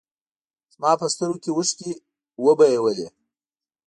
زما په سترګو کې اوښکې وبهولې.